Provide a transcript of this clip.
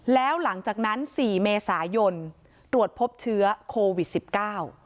แล้วหลังจากนั้นสี่เมษายนตรวจพบเชื้อโควิดสิบเก้า